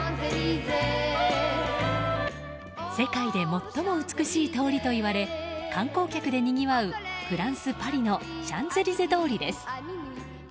世界で最も美しい通りといわれ観光客でにぎわうフランス・パリのシャンゼリゼ通りです。